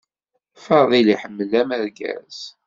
Fadil iḥemmel amergaz.